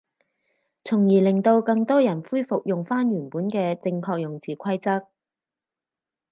從而令到更多人恢復用返原本嘅正確用字規則